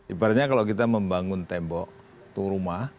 ibaratnya kalau kita membangun tembok itu rumah